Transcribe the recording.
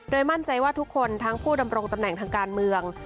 มั่นใจว่าทุกคนทั้งผู้ดำรงตำแหน่งทางการเมือง